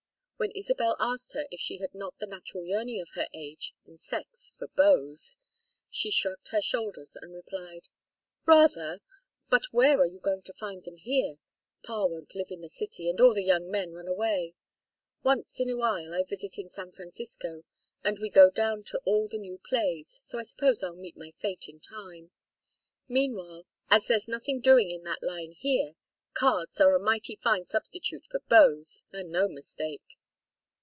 When Isabel asked her if she had not the natural yearning of her age and sex for beaux, she shrugged her shoulders and replied: "Rather. But where are you going to find them here? Pa won't live in the city, and all the young men run away. Once in a while I visit in San Francisco, and we go down to all the new plays, so I suppose I'll meet my fate in time. Meanwhile, as there's nothing doing in that line here, cards are a mighty fine substitute for beaux, and no mistake."